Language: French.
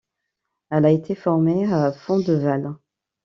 Elle a été formée à Fendeval.